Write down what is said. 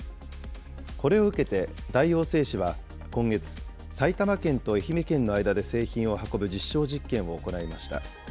これを受けて、大王製紙は今月、埼玉県と愛媛県の間で製品を運ぶ実証実験を行いました。